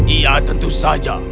iya tentu saja